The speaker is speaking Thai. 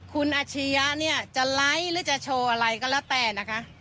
คุณอัชริยะจะไลฟ์หรือจะโชว์อะไรก็แล้วแต่นะคะ